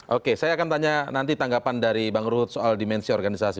oke saya akan tanya nanti tanggapan dari bang ruhut soal dimensi organisasi